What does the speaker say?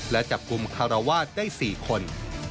และจับกลุ่มคารวาสได้๔คน